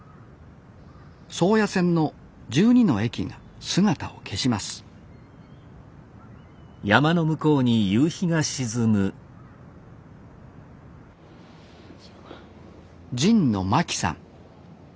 宗谷線の１２の駅が姿を消します神野真樹さん。